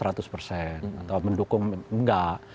atau mendukung nggak